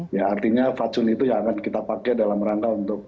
ya artinya fatsun itu yang akan kita pakai dalam rangka untuk